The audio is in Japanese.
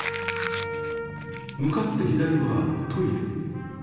向かって左はトイレ